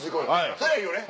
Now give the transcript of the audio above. それはいいよね